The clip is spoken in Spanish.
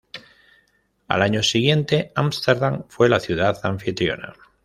Al año siguiente, Ámsterdam fue la ciudad anfitriona.